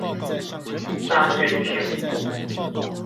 山月橋